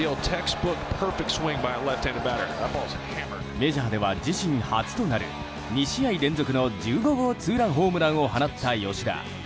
メジャーでは自身初となる２試合連続の１５号ツーランホームランを放った吉田。